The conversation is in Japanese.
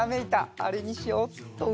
あれにしようっと！